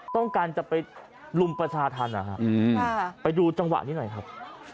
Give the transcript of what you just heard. ต้องการจะไปลุมประชาธรรมนะฮะไปดูจังหวะนี้หน่อยครับ